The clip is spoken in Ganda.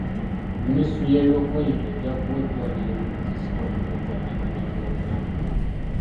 Minisitule y'ebyokwerinda ejja kuwa eddwaliro ebikozesebwa mu kujjanjaba n'ebyobulamu.